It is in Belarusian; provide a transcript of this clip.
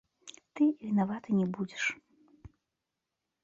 Ты вінаваты не будзеш.